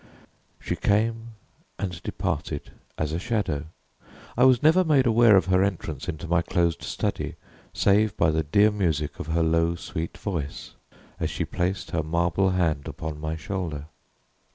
She came and departed as a shadow. I was never made aware of her entrance into my closed study, save by the dear music of her low sweet voice, as she placed her marble hand upon my shoulder.